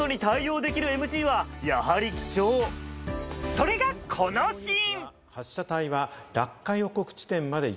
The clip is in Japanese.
それがこのシーン。